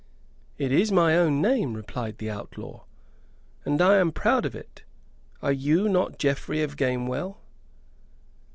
"It is my own name," replied the outlaw, "and I am proud of it. Are you not Geoffrey of Gamewell?"